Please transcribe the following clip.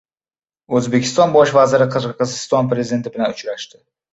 O‘zbekiston bosh vaziri Qirg‘iziston prezidenti bilan uchrashdi